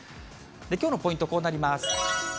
きょうのポイント、こうなります。